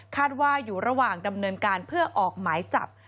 ว่าอยู่ระหว่างดำเนินการเพื่อออกหมายจับ